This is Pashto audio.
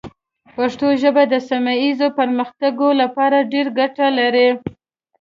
پښتو ژبه د سیمه ایزو پرمختګونو لپاره ډېرې ګټې لري.